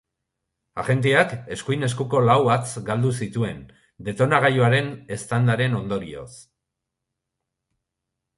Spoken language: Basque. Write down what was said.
Agenteak eskuin eskuko lau hatz galdu zituen detonagailuaren eztandaren ondorioz.